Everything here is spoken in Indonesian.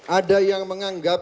ada yang menganggap